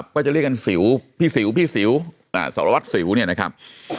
ก็จะเรียกกันสิวพี่สิวพี่สิวสารวัตรสิวเนี่ยนะครับ